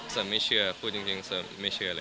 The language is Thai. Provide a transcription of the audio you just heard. เซอร์ไม่เชื่อพูดจริงเซอร์ไม่เชื่อเลย